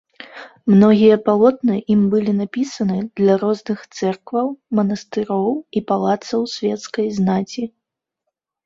Многія палотны ім былі напісаны для розных цэркваў, манастыроў і палацаў свецкай знаці.